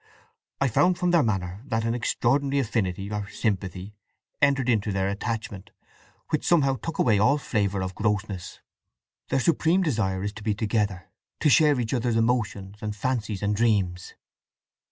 I found from their manner that an extraordinary affinity, or sympathy, entered into their attachment, which somehow took away all flavour of grossness. Their supreme desire is to be together—to share each other's emotions, and fancies, and dreams."